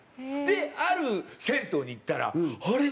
である銭湯に行ったらあれ？